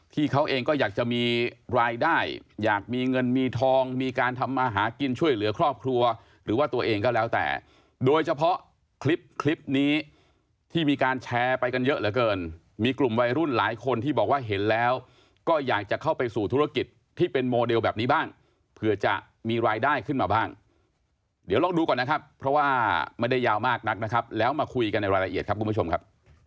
ที่มีการแชร์ไปกันเยอะเหลือเกินมีกลุ่มวัยรุ่นหลายคนที่บอกว่าเห็นแล้วก็อยากจะเข้าไปสู่ธุรกิจที่เป็นโมเดลแบบนี้บ้างเผื่อจะมีรายได้ขึ้นมาบ้างเดี๋ยวลองดูก่อนนะครับเพราะว่าไม่ได้ยาวมากนักนะครับแล้วมาคุยกันในรายละเอียดครับคุณผู้ชมครับ